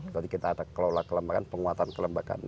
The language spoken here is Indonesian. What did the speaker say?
jadi kita ada kelola kelembagaan penguatan kelembagaan